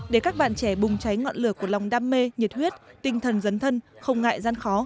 để các bạn trẻ bùng cháy ngọn lửa của lòng đam mê nhiệt huyết tinh thần dấn thân không ngại gian khó